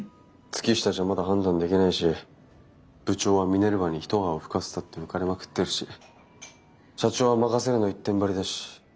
月下じゃまだ判断できないし部長はミネルヴァに一泡吹かせたって浮かれまくってるし社長は「任せる」の一点張りだし。